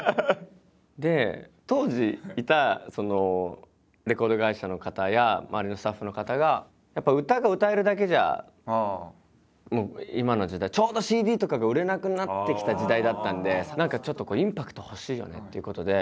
で当時いたそのレコード会社の方や周りのスタッフの方がやっぱ歌が歌えるだけじゃもう今の時代ちょうどＣＤとかが売れなくなってきた時代だったんで何かちょっとこうインパクト欲しいよねっていうことで。